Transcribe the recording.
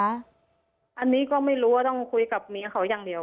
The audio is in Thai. อันนี้ก็ไม่รู้ว่าต้องคุยกับเมียเขาอย่างเดียว